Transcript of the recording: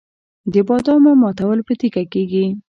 د بادامو ماتول په تیږه کیږي.